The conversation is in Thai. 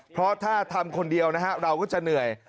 เพราะถ้าทำคนเดียวนะฮะเราก็จะเหนื่อย